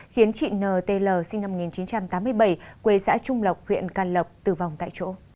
khiến chị n t l sinh năm một nghìn chín trăm tám mươi bảy quê xã trung lộc huyện can lộc tử vong tại chỗ